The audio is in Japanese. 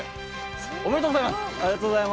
おめでとうございます。